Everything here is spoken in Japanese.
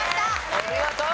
お見事！